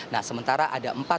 nah sementara ada empat